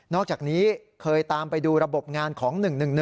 อกจากนี้เคยตามไปดูระบบงานของ๑๑๑